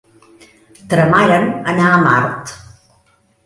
Tramaran anar a Mart.